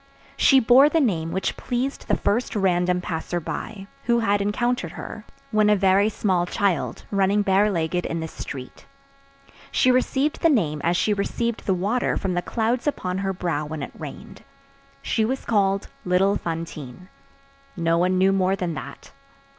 She bore the name which pleased the first random passer by, who had encountered her, when a very small child, running bare legged in the street. She received the name as she received the water from the clouds upon her brow when it rained. She was called little Fantine. No one knew more than that.